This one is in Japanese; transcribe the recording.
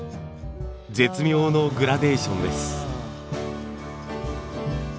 絶妙のグラデーションです。